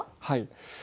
はい。